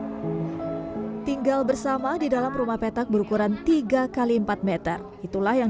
hai tinggal bersama di dalam rumah petak berukuran tiga kali empat meter itulah yang